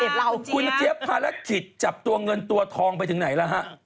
เขาไม่เห็นเราจริงค่ะคุณเจี๊ยบภารกิจจับเงินตัวทองไปถึงไหนแล้ว